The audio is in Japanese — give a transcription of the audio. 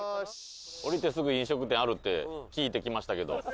降りてすぐ飲食店あるって聞いて来ましたけど。